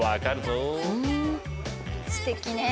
すてきね。